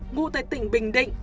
ngụ tại tỉnh bình định